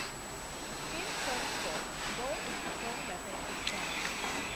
In some sports, the goal is the sole method of scoring.